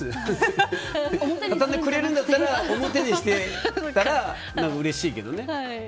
畳んでくれるんだったら表にしてくれたらうれしいけどね。